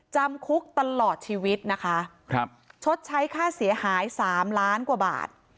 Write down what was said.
จำคุกตลอดชีวิตนะคะครับชดใช้ค่าเสียหาย๓ล้านกว่าบาท